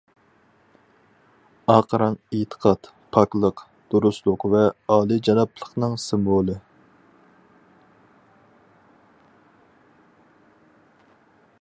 ئاق رەڭ ئېتىقاد، پاكلىق، دۇرۇسلۇق ۋە ئالىيجانابلىقنىڭ سىمۋولى.